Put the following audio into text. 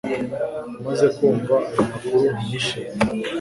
Amaze kumva ayo makuru, ntiyishimye